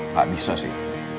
gak usah sih